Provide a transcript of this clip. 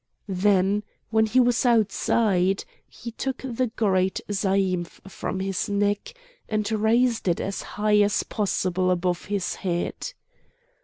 Then when he was outside he took the great zaïmph from his neck, and raised it as high as possible above his head.